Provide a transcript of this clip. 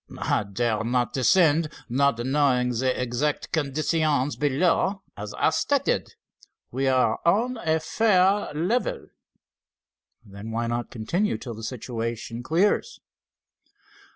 "I dare not descend, not knowing the exact conditions below, as I stated. We are on a fair level." "Then why not continue till the situation clears?"